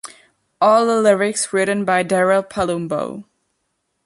All lyrics written by Daryl Palumbo.